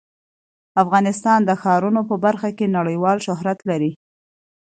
افغانستان د ښارونه په برخه کې نړیوال شهرت لري.